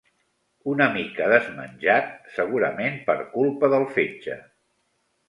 Una mica desmenjat, segurament per culpa del fetge.